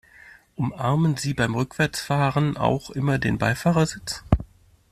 Umarmen Sie beim Rückwärtsfahren auch immer den Beifahrersitz?